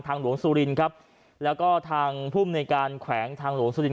หลวงสุรินครับแล้วก็ทางภูมิในการแขวงทางหลวงสุรินท